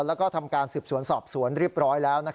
แล้วก็ทำการสืบสวนสอบสวนเรียบร้อยแล้ว